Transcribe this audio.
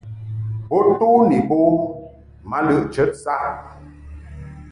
Bo to ni bo ma lɨʼ chəti saʼ.